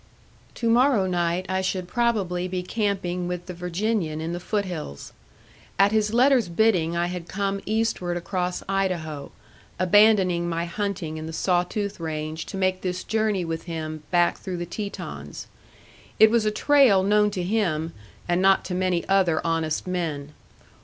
To morrow night I should probably be camping with the Virginian in the foot hills. At his letter's bidding I had come eastward across Idaho, abandoning my hunting in the Saw Tooth Range to make this journey with him back through the Tetons. It was a trail known to him, and not to many other honest men.